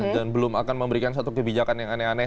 dan belum akan memberikan satu kebijakan yang aneh aneh